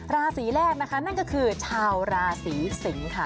ราศีแรกนะคะนั่นก็คือชาวราศีสิงค่ะ